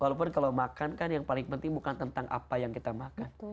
walaupun kalau makan kan yang paling penting bukan tentang apa yang kita makan